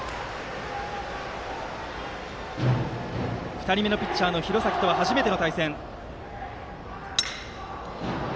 ２人目のピッチャーの廣崎とは初めての対戦。